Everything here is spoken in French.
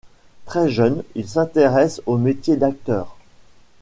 Très jeune, il s'intéresse au métier d'acteur.